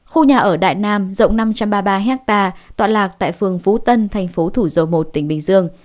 khu nhà ở đại nam rộng năm trăm ba mươi ba hectare tọa lạc tại phường phú tân thành phố thủ dầu một tỉnh bình dương